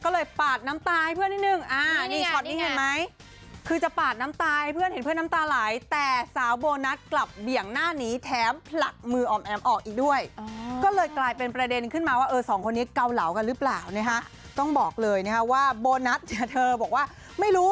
แล้วเธอเองก็พยายามกลั้นน้ำตาอยู่